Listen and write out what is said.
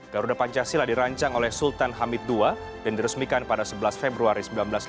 garuda pancasila dirancang oleh sultan hamid ii dan diresmikan pada sebelas februari seribu sembilan ratus lima puluh